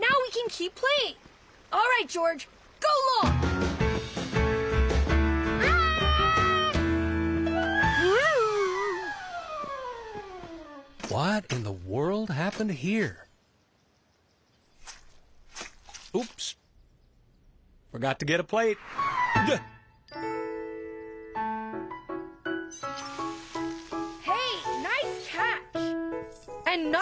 すごいナイスキャッチ。